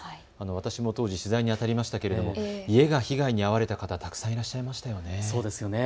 私も当時取材にあたりましたけれども家が被害に遭われた方たくさんいらっしゃいましたよね。